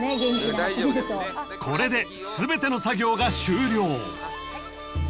［これで全ての作業が終了］